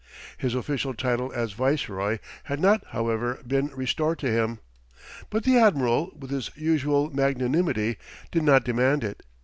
His official title as viceroy had not, however, been restored to him, but the admiral, with his usual magnanimity, did not demand it.